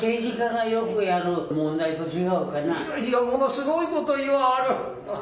「いやいやものすごいこと言わはる」。